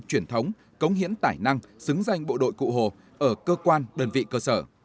truyền thống cống hiến tài năng xứng danh bộ đội cụ hồ ở cơ quan đơn vị cơ sở